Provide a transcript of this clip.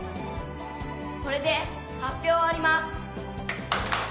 これで発表を終わります。